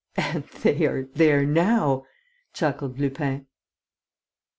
"And they are there now," chuckled Lupin.